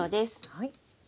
はい。